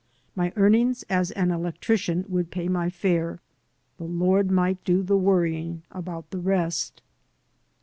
My earnings as an electrician would pay my fare. The Lord might do the worrying about the rest.